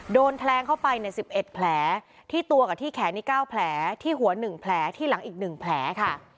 โดนแทลงเข้าไปในสิบเอ็ดแผลที่ตัวกับที่แขนนี่เก้าแผลที่หัวหนึ่งแผลที่หลังอีกหนึ่งแผลค่ะ